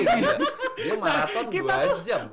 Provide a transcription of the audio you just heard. dia marathon dua jam